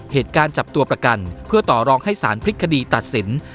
เหตุการณ์จับตัวประกันเพื่อต่อรองให้สารพิกฎีตัดสิน